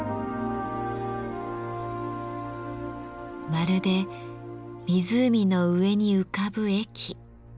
まるで湖の上に浮かぶ駅。